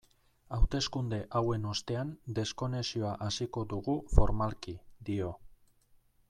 Hauteskunde hauen ostean deskonexioa hasiko dugu formalki, dio.